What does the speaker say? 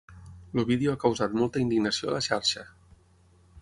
El vídeo ha causat molta indignació a la xarxa.